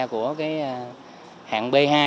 của hạng b hai